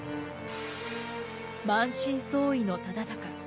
満身創痍の忠敬。